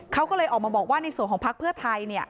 เขาก็เลยออกมาบอกว่าในส่วนของพักเพื่อไทย